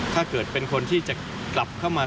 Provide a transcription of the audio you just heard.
ถ้าเกิดเป็นคนที่จะกลับเข้ามา